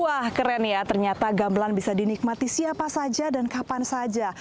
wah keren ya ternyata gamelan bisa dinikmati siapa saja dan kapan saja